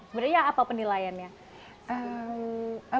sebenarnya apa penilaiannya